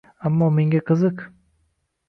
Аmmo menga qiziq: